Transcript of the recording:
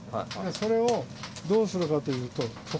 それをどうするかというと。